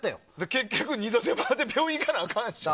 結局、二度手間で病院に行かなあかんしね。